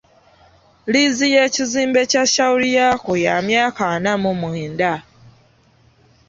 Liizi y’ekizimbe kya Shauriyako ya myaka ana mu mwenda.